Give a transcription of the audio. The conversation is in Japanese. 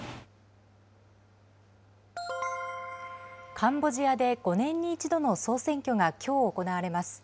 カンボジアで５年に１度の総選挙がきょう行われます。